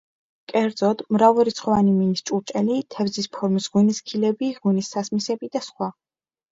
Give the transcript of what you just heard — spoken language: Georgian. კერძოდ, მრავალრიცხოვანი მინის ჭურჭელი, თევზის ფორმის ღვინის ქილები, ღვინის სასმისები და სხვა.